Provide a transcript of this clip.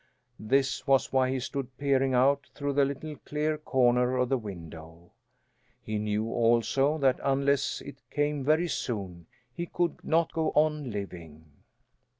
This was why he stood peering out through the little clear corner of the window. He knew, also, that unless it came very soon he could not go on living.